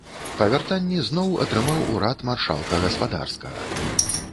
Па вяртанні зноў атрымаў урад маршалка гаспадарскага.